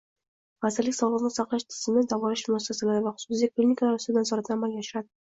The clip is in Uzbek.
Vazirlik sog‘liqni saqlash tizimi davolash muassasalari va xususiy klinikalar ustidan nazoratni amalga oshiradi.